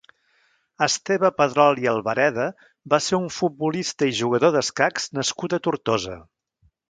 Esteve Pedrol i Albareda va ser un futbolista i jugador d'escacs nascut a Tortosa.